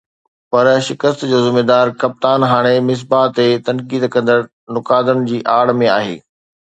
پر شڪست جو ”ذميدار“ ڪپتان هاڻي مصباح تي تنقيد ڪندڙ نقادن جي آڙ ۾ آهي.